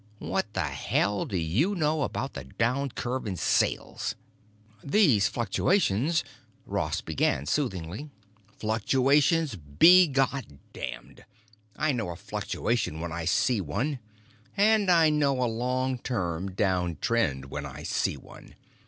What the hell do you know about the downcurve in sales?" "These fluctuations——" Ross began soothingly. "Fluctuations be God damned! I know a fluctuation when I see one, and I know a long term downtrend when I see one.